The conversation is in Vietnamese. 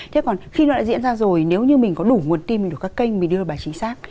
thế còn khi nó lại diễn ra rồi nếu như mình có đủ nguồn tin nguồn tin của các kênh mình đưa ra bài chính xác